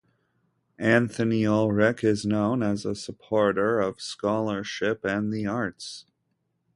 Anthony Ulrich is known as a supporter of scholarship and the arts.